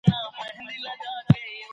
ذهني فشار باید جدي ونیول شي.